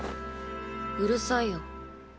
うるさいよ。